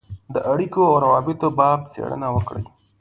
اړېکو او روابطو په باب څېړنه وکړي.